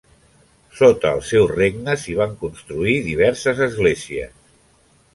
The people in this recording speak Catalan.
Sota el seu regne, s'hi van construir diverses esglésies.